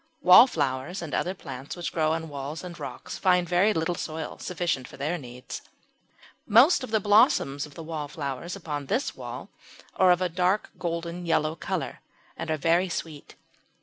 Wallflowers and other plants which grow on walls and rocks find very little soil sufficient for their needs. Most of the blossoms of the wallflowers upon this wall are of a golden yellow colour and are very sweet.